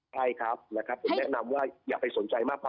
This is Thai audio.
ใช่ครับนับแนะนำว่าอย่าไปสนใจมาก